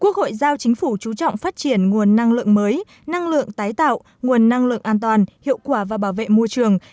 quốc hội giao chính phủ chú trọng phát triển nguồn năng lượng mới năng lượng tái tạo nguồn năng lượng an toàn hiệu quả và bảo vệ môi trường